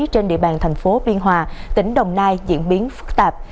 trên địa bàn thành phố biên hòa tỉnh đồng nai diễn biến phức tạp